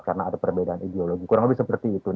karena ada perbedaan ideologi kurang lebih seperti itu